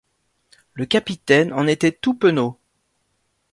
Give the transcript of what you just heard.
Le capitaine en était tout penaud.